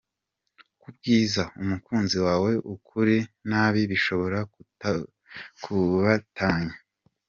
Kubwiza umukunzi wawe ukuri nabi bishobora kubatanya